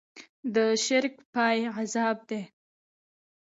د شرک پای عذاب دی.